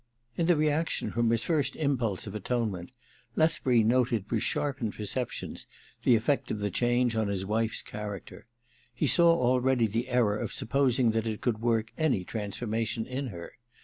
In the reaction from his first impulse of atonement, Lethbury noted with sharpened per ceptions the effect of the change on his wife's character. He saw already the error of sup posing that it could work any transformation in her.